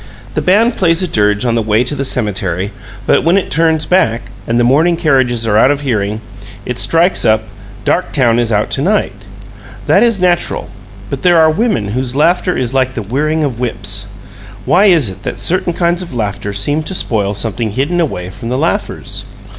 The band plays a dirge on the way to the cemetery, but when it turns back, and the mourning carriages are out of hearing, it strikes up, "Darktown is Out To night." That is natural but there are women whose laughter is like the whirring of whips. Why is it that certain kinds of laughter seem to spoil something hidden away from the laughers?